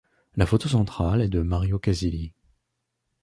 La photo centrale est de Mario Casilli.